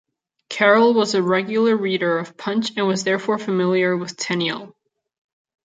Carroll was a regular reader of "Punch" and was therefore familiar with Tenniel.